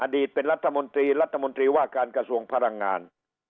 เป็นรัฐมนตรีรัฐมนตรีว่าการกระทรวงพลังงาน